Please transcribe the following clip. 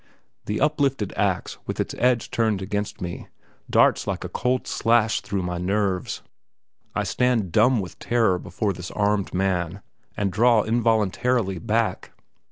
The uplifted ax, with its edge turned against me, darts like a cold slash through my nerves. I stand dumb with terror before this armed man, and draw involuntarily back.